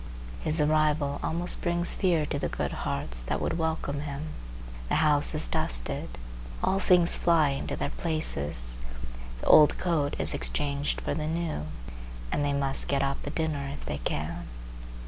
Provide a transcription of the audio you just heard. His arrival almost brings fear to the good hearts that would welcome him. The house is dusted, all things fly into their places, the old coat is exchanged for the new, and they must get up a dinner if they can.